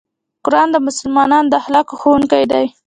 قرآن د مسلمان د اخلاقو ښوونکی دی.